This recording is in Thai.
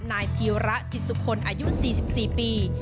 นายพีระจิตสุคลอายุ๔๔ปี